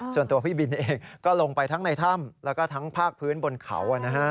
ส่วนตัวพี่บินเองก็ลงไปทั้งในถ้ำแล้วก็ทั้งภาคพื้นบนเขา